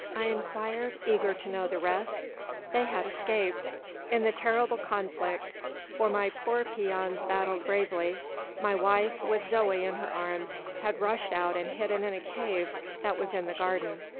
I inquired, eager to know the rest. "They had escaped. In the terrible conflict for my poor peons battled bravely my wife, with Zoe in her arms, had rushed out and hidden in a cave that was in the garden.